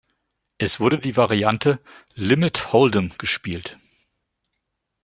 Es wurde die Variante "Limit Hold’em" gespielt.